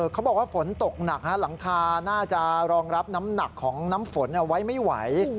เขาบอกว่าฝนตกหนักหลังคาน่าจะรองรับน้ำหนักของน้ำฝนไว้ไม่ไหว